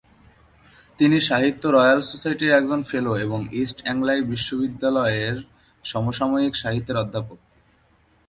তিনি সাহিত্য রয়্যাল সোসাইটির একজন ফেলো এবং ইস্ট এঙ্গেলায় বিশ্ববিদ্যালয়ের সমসাময়িক সাহিত্যের অধ্যাপক।